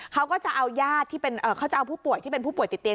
เขาก็จะเอาญาติที่เขาจะเอาผู้ป่วยที่เป็นผู้ป่วยติดเตียง